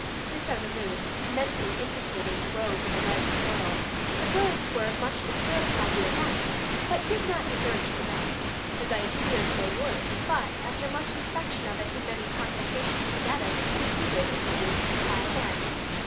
This I removed, mentally imprecating the rogue of a red squirrel. The birds were much disturbed by the event, but did not desert the nest, as I had feared they would, but after much inspection of it and many consultations together, concluded, it seems, to try again.